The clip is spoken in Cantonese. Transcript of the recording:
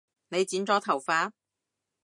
你剪咗頭髮？